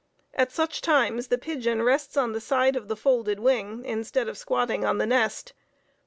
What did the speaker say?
At such times the pigeon rests on the side of the folded wing, instead of squatting on the nest.